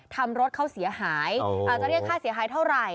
รถเขาเสียหายอาจจะเรียกค่าเสียหายเท่าไหร่